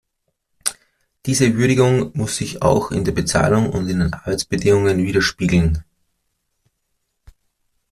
Diese Würdigung muss sich auch in der Bezahlung und in den Arbeitsbedingungen widerspiegeln.